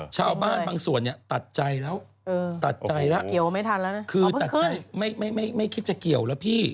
ชาวบ้านบางส่วนเนี่ยตัดใจแล้วตัดใจแล้วคือตัดใจไม่คิดจะเกี่ยวละพี่